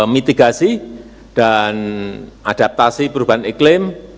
mitigasi dan adaptasi perubahan iklim